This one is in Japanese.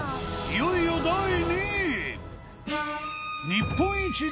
いよいよ、第２位！